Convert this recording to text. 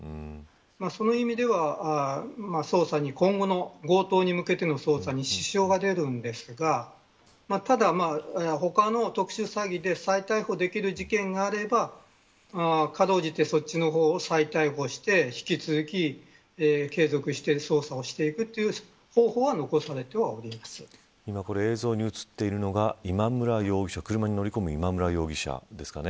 その意味では今後の強盗に向けての捜査に支障が出るんですがただ、他の特殊詐欺で再逮捕できる事件があればかろうじてそっちの方を再逮捕して引き続き継続して捜査をしていくという方法は今、映像に映っているのが今村容疑者車に乗り込む今村容疑者ですかね。